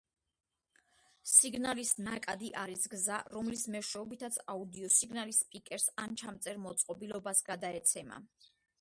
სიგნალის ნაკადი არის გზა რომლის მეშვეობითაც აუდიო სიგნალი სპიკერს ან ჩამწერ მოწყობილობას გადაეცემა.